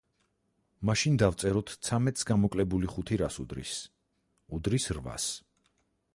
მაშინ, დავწეროთ ცამეტს გამოკლებული ხუთი რას უდრის? უდრის რვას.